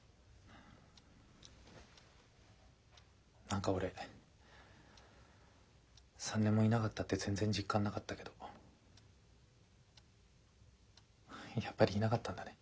何か俺３年もいなかったって全然実感なかったけどやっぱりいなかったんだね。